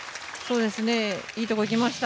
いいところ、いきました。